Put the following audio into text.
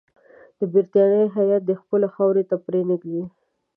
د برټانیې هیات دي خپلو خاورې ته پرې نه ږدي.